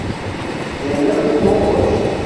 Endi u boʻm-boʻsh